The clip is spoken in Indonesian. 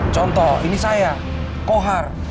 contoh ini saya kohar